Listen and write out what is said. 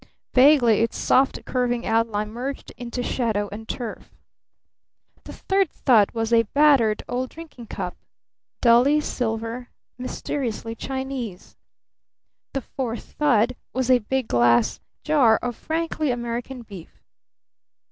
Vaguely its soft curving outline merged into shadow and turf. The third thud was a battered old drinking cup dully silver, mysteriously Chinese. The fourth thud was a big glass jar of frankly American beef.